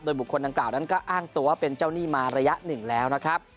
บุคคลดังกล่าวนั้นก็อ้างตัวเป็นเจ้าหนี้มาระยะหนึ่งแล้วนะครับ